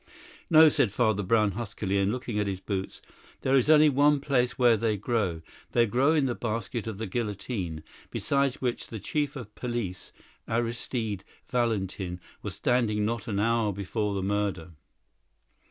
"No," said Father Brown huskily, and looking at his boots; "there is only one place where they grow. They grow in the basket of the guillotine, beside which the chief of police, Aristide Valentin, was standing not an hour before the murder.